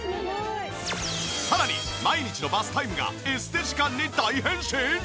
さらに毎日のバスタイムがエステ時間に大変身？